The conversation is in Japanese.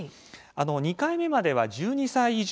２回目までは１２歳以上。